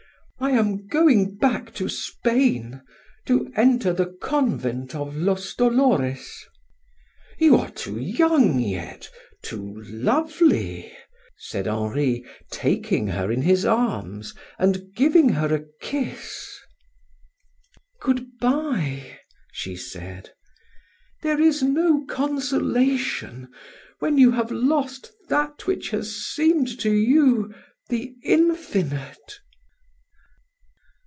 I am going back to Spain to enter the Convent of los Dolores." "You are too young yet, too lovely," said Henri, taking her in his arms and giving her a kiss. "Good bye," she said; "there is no consolation when you have lost that which has seemed to you the infinite."